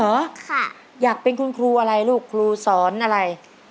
ค่ะอยากเป็นคุณครูอะไรลูกครูสอนอะไร